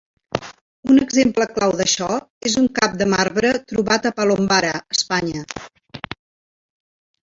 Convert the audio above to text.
Un exemple clau d'això és un cap de marbre trobat a Palombara, Espanya.